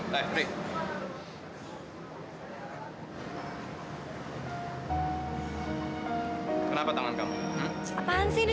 terima kasih pak